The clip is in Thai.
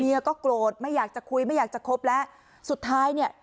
ก็โกรธไม่อยากจะคุยไม่อยากจะคบแล้วสุดท้ายเนี่ย